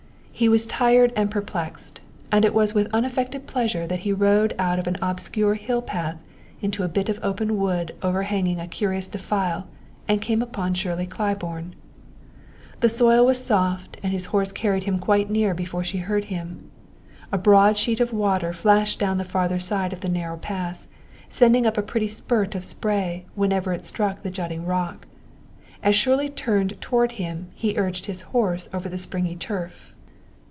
He was tired and perplexed, and it was with unaffected pleasure that he rode out of an obscure hill path into a bit of open wood overhanging a curious defile and came upon Shirley Claiborne. The soil was soft and his horse carried him quite near before she heard him. A broad sheet of water flashed down the farther side of the narrow pass, sending up a pretty spurt of spray wherever it struck the jutting rock. As Shirley turned toward him he urged his horse over the springy turf.